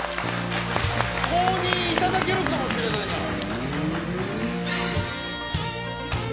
公認いただけるかもしれないから。